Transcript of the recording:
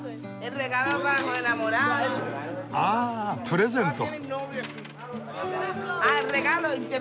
ああプレゼント。